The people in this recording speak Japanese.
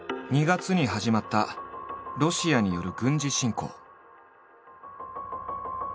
２月に始まったロシアによる軍事侵攻。